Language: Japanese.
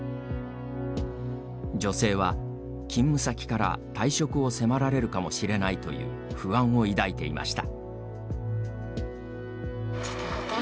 女性は、勤務先から退職を迫られるかもしれないという不安を抱いていました。